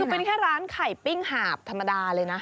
คือเป็นแค่ร้านไข่ปิ้งหาบธรรมดาเลยนะ